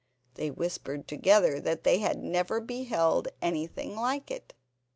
They whispered together that they had never beheld anything like it.